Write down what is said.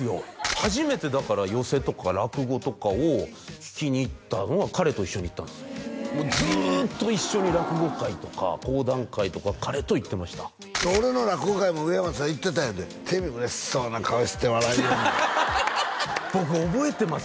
初めてだから寄席とか落語とかを聴きに行ったのは彼と一緒に行ったんですもうずっと一緒に落語会とか講談会とか彼と行ってました俺の落語会も植松は行ってたんやて見てみ嬉しそうな顔して笑いよる僕覚えてます